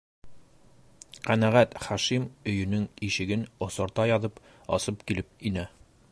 Ҡәнәғәт Хашим өйөнөң ишеген осорта яҙып асып килеп инә: